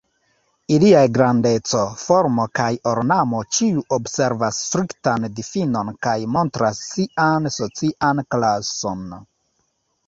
Iliaj grandeco, formo kaj ornamo ĉiu observas striktan difinon kaj montras sian socian klason.